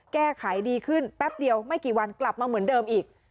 แก้ไขดีขึ้นแป๊บเดียวไม่กี่วันกลับมาเหมือนเดิมอีก